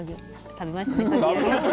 食べましたよ。